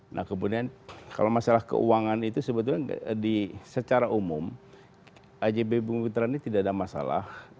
nah kemudian kalau masalah keuangan itu sebetulnya secara umum ajb bumi putra ini tidak ada masalah